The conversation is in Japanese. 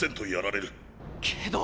けど！